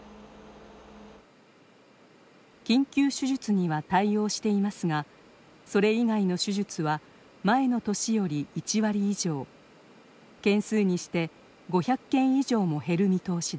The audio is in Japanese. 緊急手術には対応していますがそれ以外の手術は前の年より１割以上件数にして５００件以上も減る見通しです。